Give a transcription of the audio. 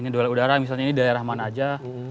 ini duel udara misalnya ini daerah mana saja